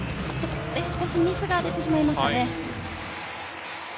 少しミスが出てしまいましたね。